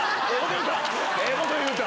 ええこと言うた！